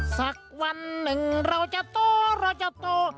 สักวันหนึ่งเราจะโตเราจะโต